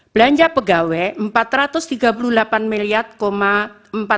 belanja pegawai rp empat ratus tiga puluh delapan empat ratus tiga puluh delapan